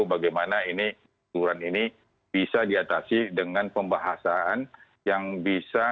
bagaimana ini aturan ini bisa diatasi dengan pembahasan yang bisa